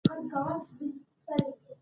د دې ارشیف په ډیجیټلي بڼه شتون لري.